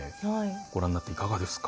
ご覧になっていかがですか？